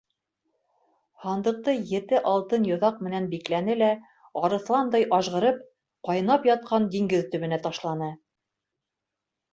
Һандыҡты ете алтын йоҙаҡ менән бикләне лә арыҫландай ажғырып, ҡайнап ятҡан диңгеҙ төбөнә ташланы.